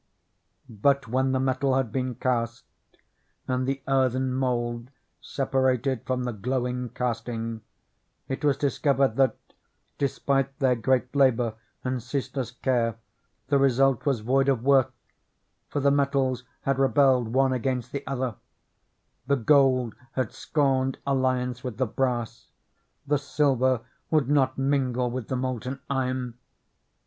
But when the metal had been cast, and the earthen mould separated from the glowing casting, it was dis covered that, despite their great labor and ceaseless care, the result was void of worth; for the metals had rebelled one against the other, — the gold had scorned alliance with the brass, the silver would not mingle with the molten iron.